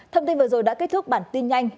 thông tin vừa rồi đã kết thúc bản tin nhanh